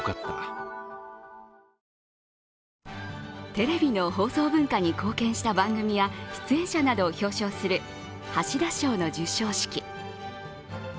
テレビの放送文化に貢献した番組や出演者などを表彰する橋田賞の授賞式。